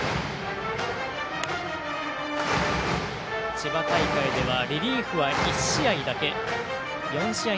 千葉大会ではリリーフは１試合だけ。